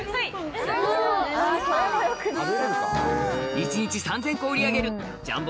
一日３０００個売り上げるジャンボ